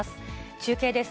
中継です。